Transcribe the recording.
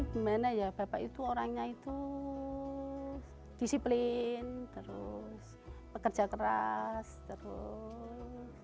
gimana ya bapak itu orangnya itu disiplin terus bekerja keras terus